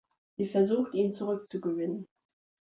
Sie versucht ihn zurückzugewinnen.